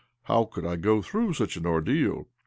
How could / go through such an ordeal